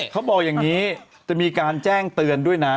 เขาบอกอย่างนี้จะมีการแจ้งเตือนด้วยนะ